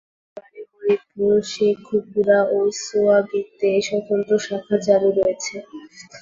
বর্তমানে হরিপুর, শেইখুপুরা ও সোয়াবিতে স্বতন্ত্র শাখা চালু রয়েছে।